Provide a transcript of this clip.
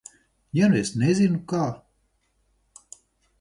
Ja nu es nezinu, kā?